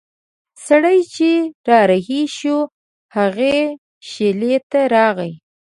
سړی چې را رهي شو هغې شېلې ته راغی.